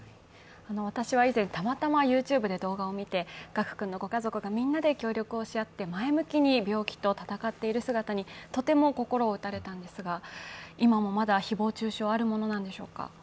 私は以前、、たまたまＹｏｕＴｕｂｅで動画を見て、賀久君のご家族、みんなで協力をし合って前向きに病気と闘っている姿にとても心を打たれたんですが、今もまだ誹謗中傷はあるものなんでしょうか？